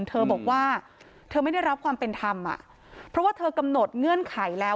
เธอบอกว่าเธอไม่ได้รับความเป็นธรรมอ่ะเพราะว่าเธอกำหนดเงื่อนไขแล้ว